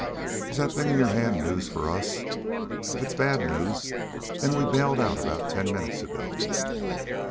Is that thing in your hand news for us? If it's bad news, then we bailed out about ten minutes ago."